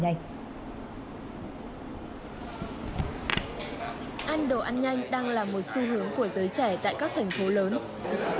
anh đồ ăn nhanh đang là một xu hướng của giới trẻ tại các thành phố lớn